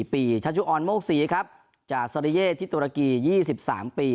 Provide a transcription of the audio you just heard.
ปีชัชชุออนโมกศรีครับจากซาริเย่ที่ตุรกี๒๓ปี